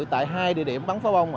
tại hai địa điểm bắn pháo bông